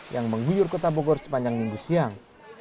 yang mengguyur kota bogor sepanjang minggu siang